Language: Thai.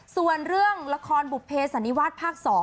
ส่วนเรื่องละครบุภเพสันนิวาสภาค๒